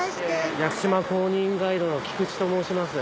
屋久島公認ガイドの菊池と申します。